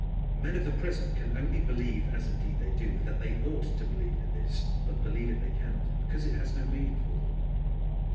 Men of the present can only believe, as indeed they do, that they ought to believe in this; but believe it they cannot, because it has no meaning for them.